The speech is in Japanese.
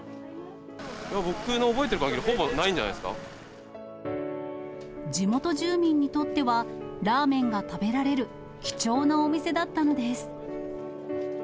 僕の覚えてるかぎり、ほぼな地元住民にとっては、ラーメンが食べられる貴重なお店だったのです。